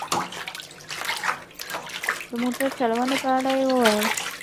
د موټر چلونې په اړه یې وویل.